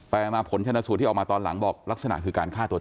มาผลชนะสูตรที่ออกมาตอนหลังบอกลักษณะคือการฆ่าตัวตาย